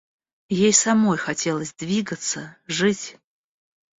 Ей самой хотелось двигаться, жить.